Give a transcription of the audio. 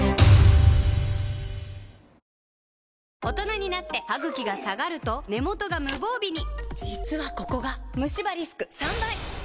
大人になってハグキが下がると根元が無防備に実はここがムシ歯リスク３倍！